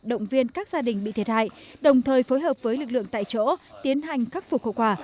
động viên các gia đình bị thiệt hại đồng thời phối hợp với lực lượng tại chỗ tiến hành khắc phục hậu quả